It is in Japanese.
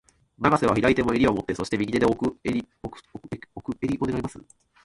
永瀬は左手も襟を持って、そして、右手で奥襟を狙います。